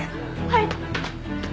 はい！